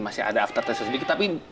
masih ada after test sedikit tapi